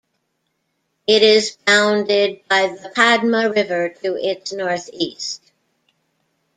It is bounded by the Padma River to its northeast.